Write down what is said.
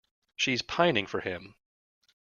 She's pining for him.